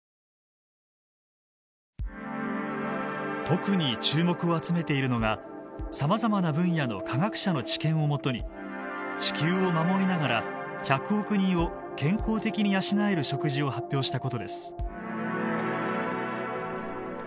特に注目を集めているのがさまざまな分野の科学者の知見をもとに地球を守りながら１００億人を健康的に養える食事を発表したことです。